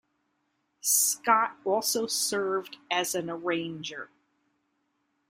Scott also served as an arranger.